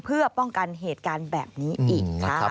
เพื่อป้องกันเหตุการณ์แบบนี้อีกค่ะ